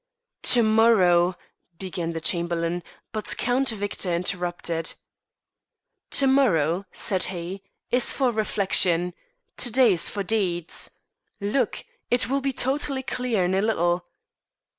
"To morrow " began the Chamberlain, and Count Victor interrupted. "To morrow," said he, "is for reflection; to day is for deeds. Look! it will be totally clear in a little."